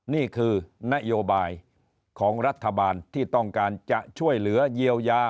นี่คือนโยบายของรัฐบาลที่ต้องการจะช่วยเหลือเยียวยา